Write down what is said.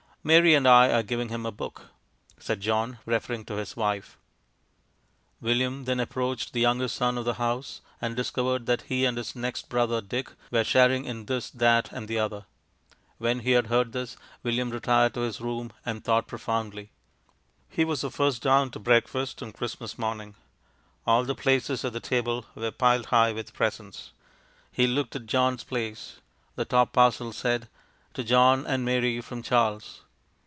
"Mary and I are giving him a book," said John, referring to his wife. William then approached the youngest son of the house, and discovered that he and his next brother Dick were sharing in this, that, and the other. When he had heard this, William retired to his room and thought profoundly. He was the first down to breakfast on Christmas morning. All the places at the table were piled high with presents. He looked at John's place. The top parcel said, "To John and Mary from Charles."